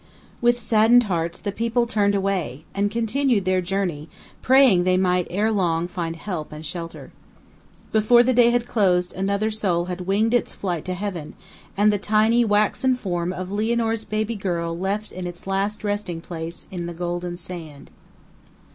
With saddened hearts the people turned away, and continued their journey, praying they might ere long find help and shelter. Before the day had closed another soul had winged its flight to Heaven, and the tiny waxen form of Lianor's baby girl left in its last resting place in the golden sand.